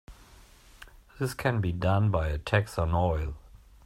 This can be done by a tax on oil.